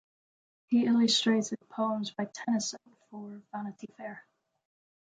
He illustrated poems by Tennyson for "Vanity Fair".